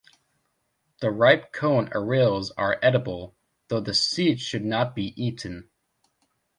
The ripe cone arils are edible, though the seed should not be eaten.